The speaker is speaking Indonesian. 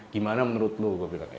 gimana menurut lo gue bilang kayak gitu